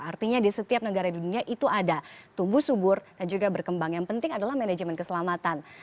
artinya di setiap negara di dunia itu ada tumbuh subur dan juga berkembang yang penting adalah manajemen keselamatan